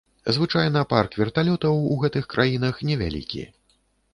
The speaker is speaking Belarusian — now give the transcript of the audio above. Звычайна парк верталётаў у гэтых краінах невялікі.